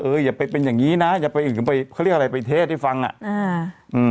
อย่าไปเป็นอย่างงี้นะอย่าไปอื่นไปเขาเรียกอะไรไปเทศให้ฟังอ่ะอ่าอืม